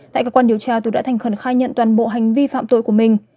tại cơ quan điều tra tù đã thành khẩn khai nhận toàn bộ hành vi phạm tội của mình